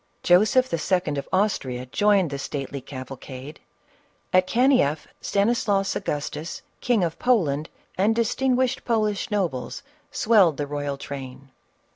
Joseph II. of Austria joined the stately cavalcade; at Kanieff, Stanislaus Agustus, King of Poland, and distinguished Polish nobles, swelled the royal train.